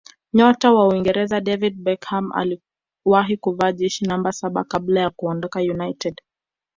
nyota wa uingereza david beckham aliwahi kuvaa jezi namba saba kabla ya kuondoka united